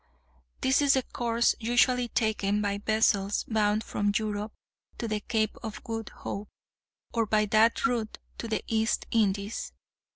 This is the course usually taken by vessels bound from Europe to the Cape of Good Hope, or by that route to the East Indies.